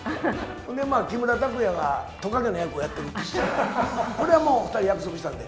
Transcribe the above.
で、木村拓哉がトカゲの役をやっている実写、これはもう、２人、約束したんで。